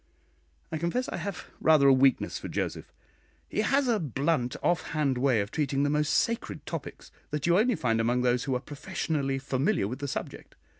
I confess I have rather a weakness for Joseph. He has a blunt off hand way of treating the most sacred topics, that you only find among those who are professionally familiar with the subject.